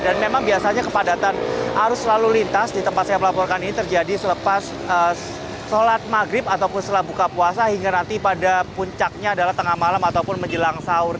dan memang biasanya kepadatan arus selalu lintas di tempat saya melaporkan ini terjadi selepas sholat maghrib ataupun setelah buka puasa hingga nanti pada puncaknya adalah tengah malam ataupun menjelang sahur